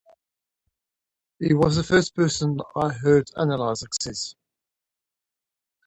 He was the first person I heard analyse success.